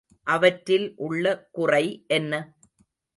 அவற்றில் உள்ள குறை என்ன?